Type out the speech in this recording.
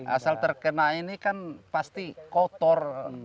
asal terkena ini kan pasti kotor